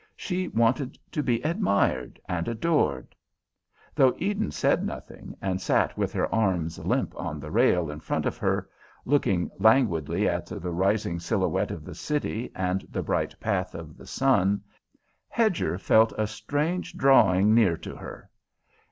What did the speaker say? She wanted to be admired and adored. Though Eden said nothing, and sat with her arms limp on the rail in front of her, looking languidly at the rising silhouette of the city and the bright path of the sun, Hedger felt a strange drawing near to her.